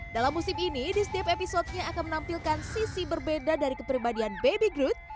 dalam musim ini di setiap episodenya akan menampilkan sisi berbeda dari kepribadian baby grooth